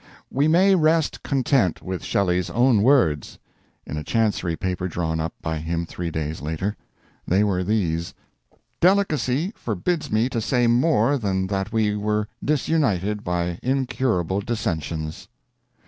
"We may rest content with Shelley's own words" in a Chancery paper drawn up by him three years later. They were these: "Delicacy forbids me to say more than that we were disunited by incurable dissensions."